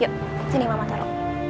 yuk sini mama taro